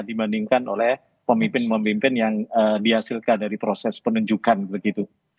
dibandingkan oleh pemimpin pemimpin yang dihasilkan dari proses penunjukan begitu